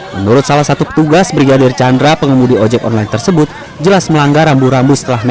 menurut salah satu petugas brigadir chandra pengemudi ojek online tersebut jelas melanggar rambu rambu setelah